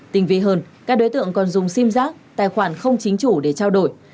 tình vị hơn các đối tượng còn dùng sim giác tài khoản không chính chủ để trao đổi